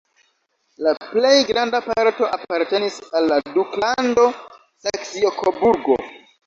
La plej granda parto apartenis al la duklando Saksio-Koburgo.